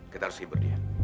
kita harus hibur dia